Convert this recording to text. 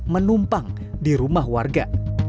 menumpang di rumah warga